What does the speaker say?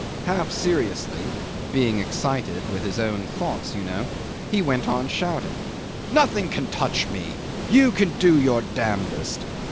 Half seriously (being excited with his own thoughts, you know) he went on shouting, "Nothing can touch me! You can do your damnedest."